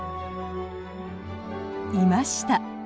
いました。